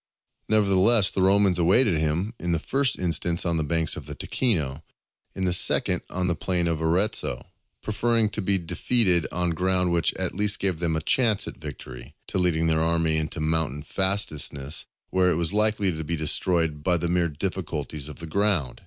Nevertheless the Romans awaited him, in the first instance on the banks of the Ticino, in the second on the plain of Arezzo, preferring to be defeated on ground which at least gave them a chance of victory, to leading their army into mountain fastnesses where it was likely to be destroyed by the mere difficulties of the ground.